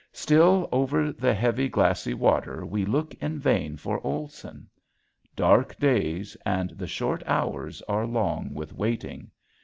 Still over the heaving, glassy water we look in vain for Olson. Dark days, and the short hours are long with waiting.